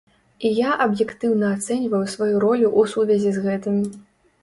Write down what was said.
І я аб'ектыўна ацэньваю сваю ролю ў сувязі з гэтым.